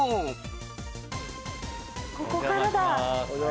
ここからだ。